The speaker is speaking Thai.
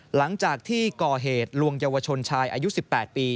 หลังจากที่ก่อเหตุลวงเยาวชนชายอายุ๑๘ปี